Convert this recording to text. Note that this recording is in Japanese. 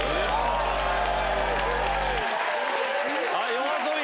ＹＯＡＳＯＢＩ！